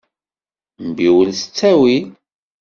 Mbiwel s ttawil.